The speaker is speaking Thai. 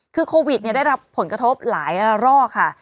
คือโควิดได้รับผลกระทบหลายระรอกค่ะ